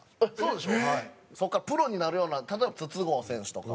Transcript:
そこからプロになるような例えば筒香選手とか。